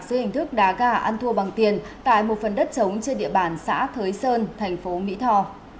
dưới hình thức đá gà ăn thua bằng tiền tại một phần đất trống trên địa bàn xã thới sơn thành phố mỹ tho